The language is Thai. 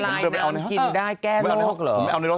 หลายน้ำกริ่มได้แก้โรคเหรอ